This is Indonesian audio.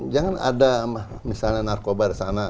jangan ada misalnya narkoba di sana